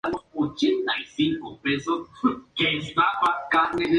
Algunas familias incluyen solo algunas especies leñosas.